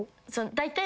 だいたい。